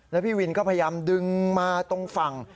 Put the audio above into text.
แล้วพี่วินก็พยายามดึงมาตรงฝั่ง